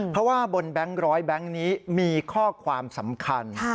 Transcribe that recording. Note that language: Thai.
เพราะว่าบนแบงค์ร้อยแบงค์นี้มีข้อความสำคัญ